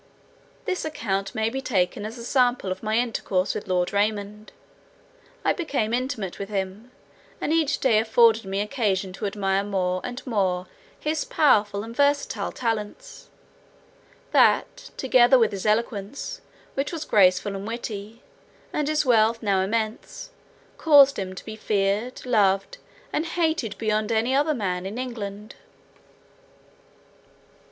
This account may be taken as a sample of my intercourse with Lord Raymond. I became intimate with him, and each day afforded me occasion to admire more and more his powerful and versatile talents, that together with his eloquence, which was graceful and witty, and his wealth now immense, caused him to be feared, loved, and hated beyond any other man in England.